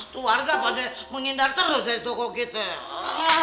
tu warga pada mengindar terus dari toko kita